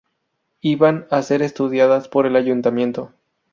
Iban a ser estudiadas por el Ayuntamiento.